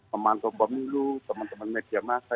teman teman pemilu teman teman media massa